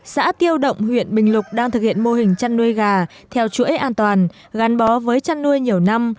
xã tiêu động huyện bình lục đang thực hiện mô hình chăn nuôi gà theo chuỗi an toàn gắn bó với chăn nuôi nhiều năm